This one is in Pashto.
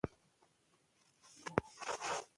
زده کړه ښځه د خپلو پیسو ارزښت پېژني.